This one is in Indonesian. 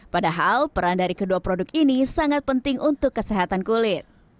padahal peran dari kedua produk ini sangat penting untuk kesehatan kulit